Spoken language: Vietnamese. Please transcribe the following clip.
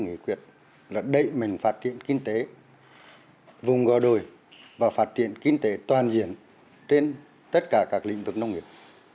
nghị quyền là để mình phát triển kinh tế vùng gò đồi và phát triển kinh tế toàn diện trên tất cả các lĩnh vực nông nghiệp